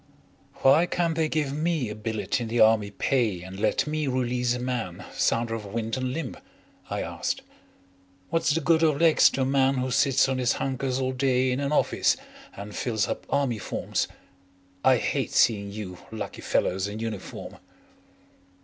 "Why can't they give me a billet in the Army Pay and let me release a man sounder of wind and limb?" I asked. "What's the good of legs to a man who sits on his hunkers all day in an office and fills up Army forms? I hate seeing you lucky fellows in uniform."